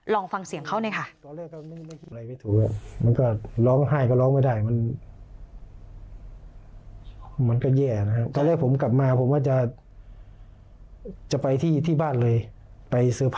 ลองฟังเสียงเขาค่ะ